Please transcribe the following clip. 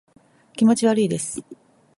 気持ち悪いです